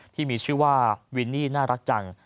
ที่มีชื่อว่าวินนี่น่ารักจัง